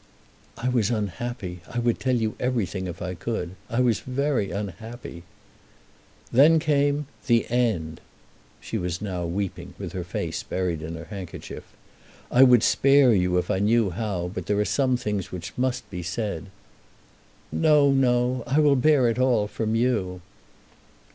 "I was unhappy. I would tell you everything if I could. I was very unhappy." "Then came the end." She was now weeping, with her face buried in her handkerchief. "I would spare you if I knew how, but there are some things which must be said." "No; no. I will bear it all from you."